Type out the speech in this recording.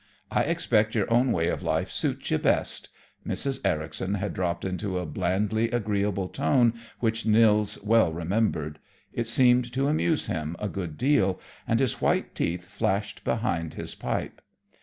I expect your own way of life suits you best." Mrs. Ericson had dropped into a blandly agreeable tone which Nils well remembered. It seemed to amuse him a good deal and his white teeth flashed behind his pipe.